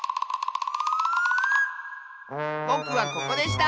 ぼくはここでした！